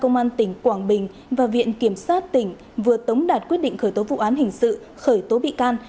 công an tỉnh quảng bình và viện kiểm sát tỉnh vừa tống đạt quyết định khởi tố vụ án hình sự khởi tố bị can